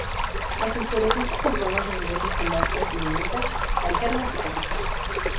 Las inflorescencias en forma de umbelas con brácteas diminutas, alternas y caducas.